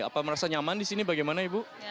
apa merasa nyaman di sini bagaimana ibu